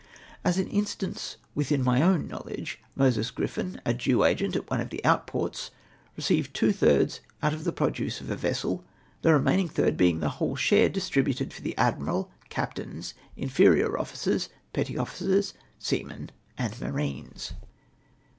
As an instance within my own knowledge, IMoses Cfrifiin, a Jew agent at one of the outports, received two thirds out of the produce of a vessel, the remaining third being the whole share distributed for admiral, captain, inferior officers, petty officers, seamen, and marines.